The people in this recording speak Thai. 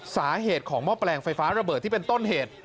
สาเหตุของหม้อแปลงไฟฟ้าระเบิดที่เป็นต้นเหตุ